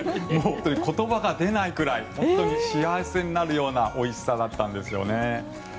本当に言葉が出ないくらい本当に幸せになるようなおいしさだったんですよね。